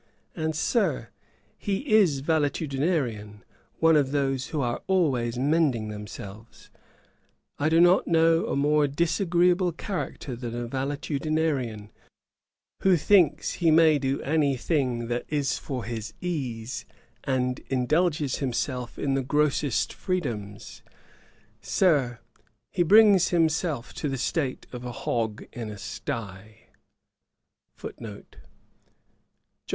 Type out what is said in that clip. And, Sir, he is valetudinarian, one of those who are always mending themselves. I do not know a more disagreeable character than a valetudinarian, who thinks he may do any thing that is for his ease, and indulges himself in the grossest freedoms: Sir, he brings himself to the state of a hog in a stye.'